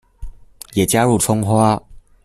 也加入蔥花